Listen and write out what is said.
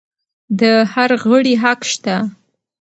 د هر غړي حق شته.